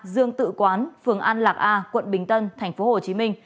dương tự quán phường an lạc a quận bình tân tp hcm